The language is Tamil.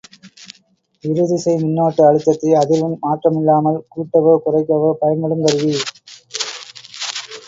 இருதிசை மின்னோட்ட அழுத்தத்தை அதிர்வெண் மாற்றமில்லாமல் கூட்டவோ குறைக்கவோ பயன்படுங் கருவி.